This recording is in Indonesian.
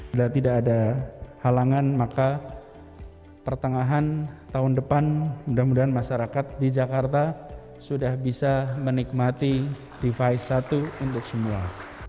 bila tidak ada halangan maka pertengahan tahun depan mudah mudahan masyarakat di jakarta sudah bisa menikmati device satu untuk semua